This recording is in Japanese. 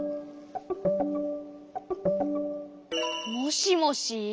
もしもし？